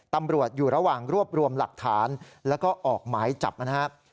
ตำรวจอยู่ระหว่างรวบรวมหลักฐานแล้วก็ออกหมายจับนะครับ